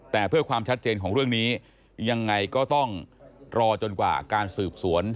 แต่เพื่อความชัดเจนของเรื่องนี้ยังไงก็ต้องรอจนกว่าการสืบสวน